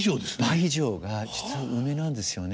倍以上が実は梅なんですよね。